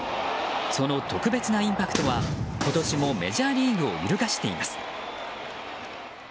その特別なインパクトは今年もメジャーリーグを揺るがしています。